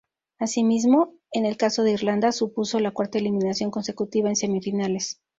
Así mismo, en el caso de Irlanda, supuso la cuarta eliminación consecutiva en semifinales.